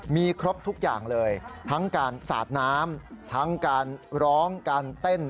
มีครบทุกอย่างเลยทั้งการสาดน้ำทั้งการร้องการเต้น